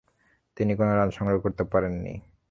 তিনি কোন রান সংগ্রহ করতে পারেননি।